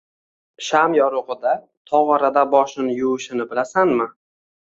sham yorug‘ida tog‘orada boshini yuvishini bilasanmi?